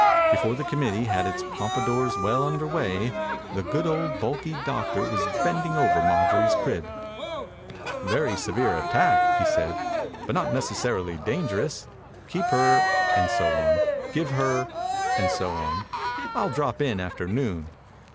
Before the committee had its pompadours well under way the 69 THE INCUBATOR BABY good old bulky doctor was bend ing over Marjorie's crib. "Very severe attack," he said, « but not necessarily dangerous. Keep her (and so on), give her (and so on). I'll drop in after noon."